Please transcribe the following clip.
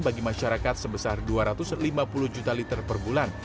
bagi masyarakat sebesar dua ratus lima puluh juta liter per bulan